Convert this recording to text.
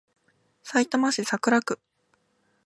さいたま市桜区